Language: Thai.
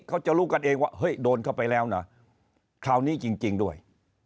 เขาจะรู้กันเองว่าเฮ้ยโดนเข้าไปแล้วนะคราวนี้จริงด้วย